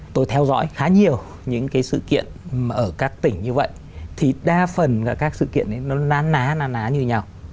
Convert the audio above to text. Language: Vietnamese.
tôi theo dõi khá nhiều những sự kiện ở các tỉnh như vậy thì đa phần các sự kiện nó ná ná như nhau